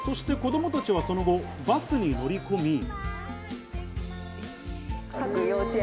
そして子供たちはその後、バスに乗り込み。